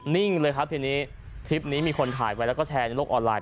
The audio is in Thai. นิ่งเลยครับทีนี้คลิปนี้มีคนถ่ายไว้แล้วก็แชร์ในโลกออนไลน